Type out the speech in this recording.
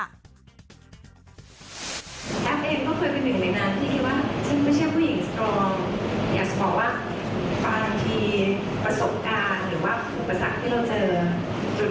แอฟเองก็เคยเป็นหนึ่งในนานที่ว่าฉันไม่ใช่ผู้หญิงสตรอง